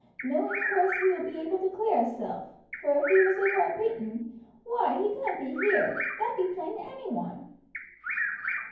Noo in course he will be able to clear hisself; for if he was over at Painton, why, he couldn't be here that be plain to any one."